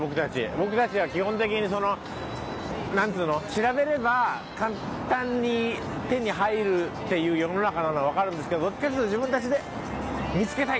僕たちは基本的にそのなんつうの？調べれば簡単に手に入るっていう世の中なのはわかるんですけどどっちかというと自分たちで見つけたい。